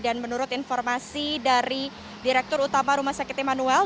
dan menurut informasi dari direktur utama rumah sakit emanuel